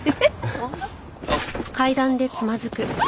そんな事。